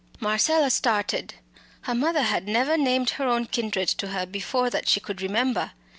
Marcella started. Her mother had never named her own kindred to her before that she could remember.